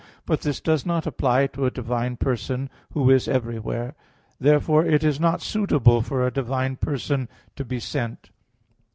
But this does not apply to a divine person, Who is everywhere. Therefore it is not suitable for a divine person to be sent.